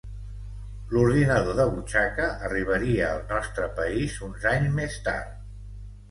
L'ordinador de butxaca arribaria al nostre país uns anys més tard.